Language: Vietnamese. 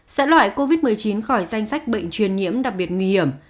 sẽ loại covid một mươi chín khỏi danh sách bệnh truyền nhiễm đặc biệt nguy hiểm